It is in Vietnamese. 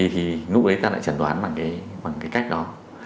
thì ngũ lấy ta lại chẳng đoán bằng cái cách đó